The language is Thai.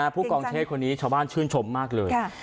ผู้กองเชษคนนี้ชาวบ้านชื่นชมมากเลย